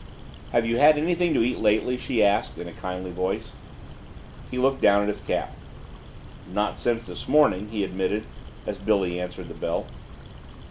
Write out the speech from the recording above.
"Have you had anything to eat lately?" she asked in a kindly voice. He looked down at his cap. "Not since this morning," he admitted as Billy answered the bell.